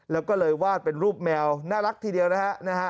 แล้วก็เลยวาดเป็นรูปแมวน่ารักทีเดียวนะฮะ